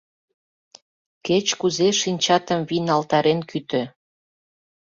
Кеч-кузе шинчатым вийналтарен кӱтӧ.